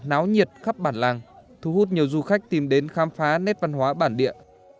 náo nhiệt khắp bản làng thu hút nhiều du khách tìm đến khám phá nét văn hóa bản địa